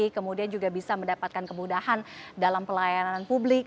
kemudian juga bisa mendapatkan kemudahan dalam pelayanan publik